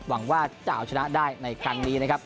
หวังว่าจะเอาชนะได้ในครั้งนี้นะครับ